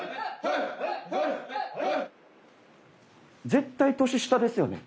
絶対年下ですよね。